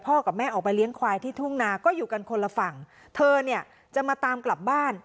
กับแม่ออกไปเลี้ยงควายที่ทุ่งนาก็อยู่กันคนละฝั่งเธอเนี่ยจะมาตามกลับบ้าน